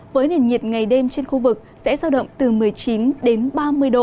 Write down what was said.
với nền nhiệt ngày đêm trên khu vực sẽ giao động từ một mươi chín đến ba mươi độ